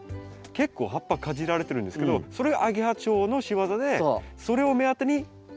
結構葉っぱかじられてるんですけどそれアゲハチョウの仕業でそれを目当てにアシナガバチが来るんですね。